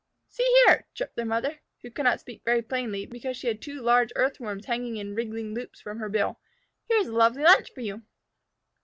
"See here," chirped their mother, who could not speak very plainly because she had two large Earthworms hanging in wriggling loops from her bill, "Here is a lovely lunch for you."